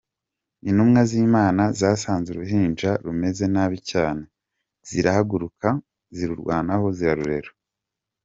Intumwa z’Imana, zasanze uruhinja rumeze nabi cyane, zirahaguruka, zirurwanaho ‘zirarurera’.